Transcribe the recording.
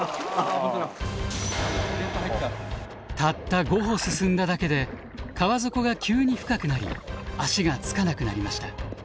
たった５歩進んだだけで川底が急に深くなり足がつかなくなりました。